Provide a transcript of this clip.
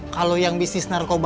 kalau yang bisnis narkoba